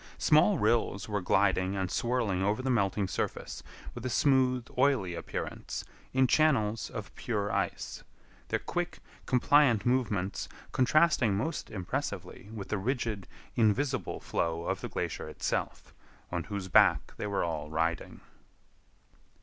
Small rills were gliding and swirling over the melting surface with a smooth, oily appearance, in channels of pure ice—their quick, compliant movements contrasting most impressively with the rigid, invisible flow of the glacier itself, on whose back they all were riding.